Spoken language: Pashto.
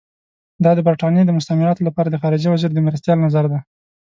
دا د برټانیې د مستعمراتو لپاره د خارجه وزیر د مرستیال نظر دی.